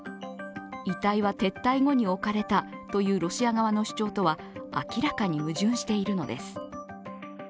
遺体は撤退後に置かれたというロシア側との主張とは明らかに矛盾しているのです。